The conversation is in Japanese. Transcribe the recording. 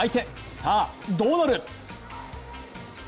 さあ、どうなる？